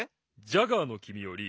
ジャガーのきみより。